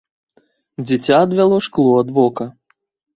Дзіця адвяло шкло ад вока.